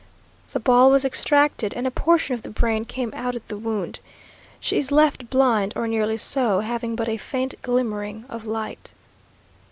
The ball was extracted, and a portion of the brain came out at the wound. She is left blind, or nearly so, having but a faint glimmering of light.